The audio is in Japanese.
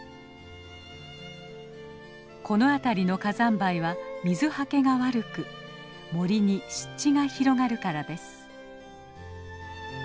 この辺りの火山灰は水はけが悪く森に湿地が広がるからです。